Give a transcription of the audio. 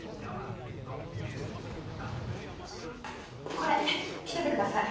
これ着ててください。